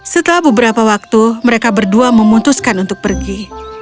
setelah beberapa waktu mereka berdua memutuskan untuk pergi